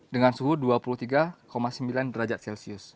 dengan suhu dua puluh tiga sembilan derajat celcius